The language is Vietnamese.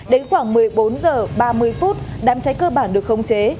đến khoảng một mươi bốn h ba mươi phút đám cháy cơ bản được khống chế